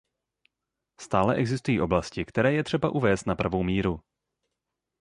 Stále existují oblasti, které je třeba uvést na pravou míru.